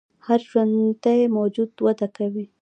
هر ژوندی موجود وده کوي